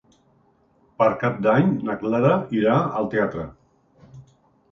Per Cap d'Any na Clara irà al teatre.